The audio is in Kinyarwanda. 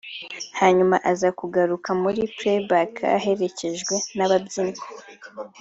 hanyuma aza kugaruka muri playback aherekejwe n’ababyinnyi